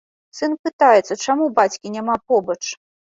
Сын пытаецца, чаму бацькі няма побач.